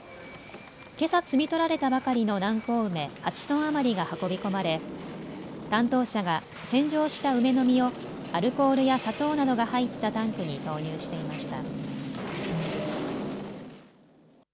けさ摘み取られたばかりの南高梅８トン余りが運び込まれ担当者が洗浄した梅の実をアルコールや砂糖などが入ったタンクに投入していました。